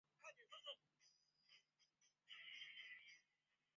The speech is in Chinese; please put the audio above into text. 死后由齐丹塔二世继承。